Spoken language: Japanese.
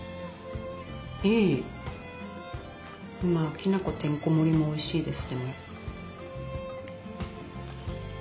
きな粉てんこ盛りもおいしいです。